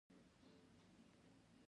د طیارې انجن د هوا د فشار له لارې کار کوي.